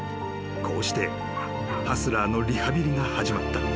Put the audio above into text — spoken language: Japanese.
［こうしてハスラーのリハビリが始まった］